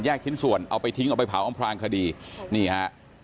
ชิ้นส่วนเอาไปทิ้งเอาไปเผาอำพลางคดีนี่ฮะ